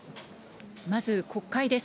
まず国会です。